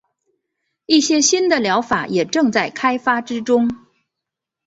一些新的疗法也正在开发之中。